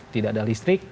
tidak ada listrik